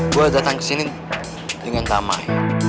gue datang kesini dengan tamah